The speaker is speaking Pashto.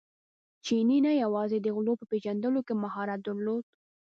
چیني نه یوازې د غلو په پېژندلو کې مهارت درلود.